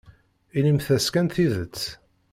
Inimt-as kan tidet.